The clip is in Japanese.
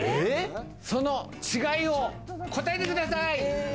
その違いを答えてください。